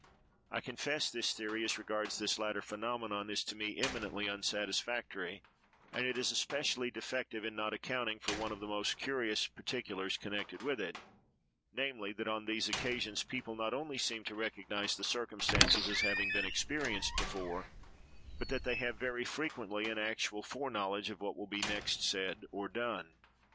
I confess this theory, as regards this latter phenomenon, is to me eminently unsatisfactory, and it is especially defective in not accounting for one of the most curious particulars connected with it, namely, that on these occasions people not only seem to recognise the circumstances as having been experienced before; but they have, very frequently, an actual foreknowledge of what will be next said or done.